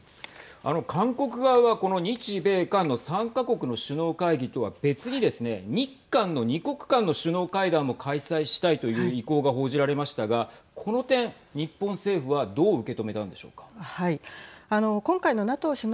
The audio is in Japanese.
韓国側は、この日米韓の３か国の首脳会議とは別にですね日韓の２国間の首脳会談も開催したいという意向が報じられましたがこの点、日本政府はどう受け止めたんでしょうか。